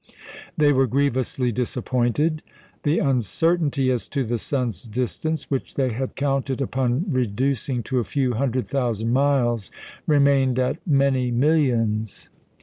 They were grievously disappointed. The uncertainty as to the sun's distance, which they had counted upon reducing to a few hundred thousand miles, remained at many millions.